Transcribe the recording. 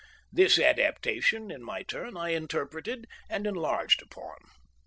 This adaptation, in my turn, I interpreted and enlarged upon.